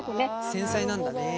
繊細なんだね。